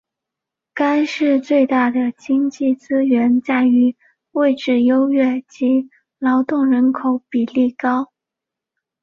该市最大的经济资源在于位置优越及劳动人口比例高。